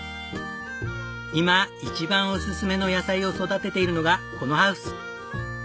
今一番おすすめの野菜を育てているのがこのハウス。